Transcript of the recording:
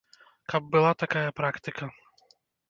Каб была такая практыка.